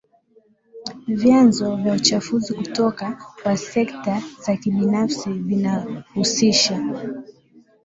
Vyanzo vya uchafuzi kutoka kwa sekta za kibinafsi vinahusisha